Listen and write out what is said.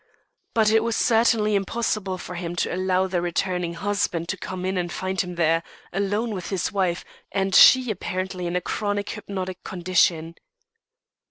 But it was certainly impossible for him to allow the returning husband to come in and find him there, alone with his wife, and she apparently in a chronic hypnotic condition.